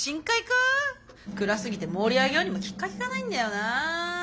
暗すぎて盛り上げようにもきっかけがないんだよな。